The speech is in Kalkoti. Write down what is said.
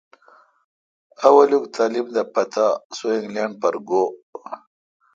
اولوک تعلیم دا پتا سو انگینڈ پر گو۔